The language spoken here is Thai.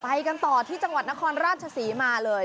ไปกันต่อที่จังหวัดนครราชศรีมาเลย